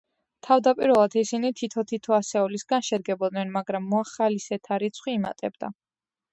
თავდაპირველად ისინი თითო–თითო ასეულისგან შედგებოდნენ, მაგრამ მოხალისეთა რიცხვი იმატებდა.